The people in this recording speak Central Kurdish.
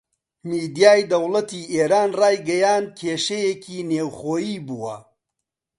میدیای دەوڵەتی ئێران ڕایگەیاند کێشەیەکی نێوخۆیی بووە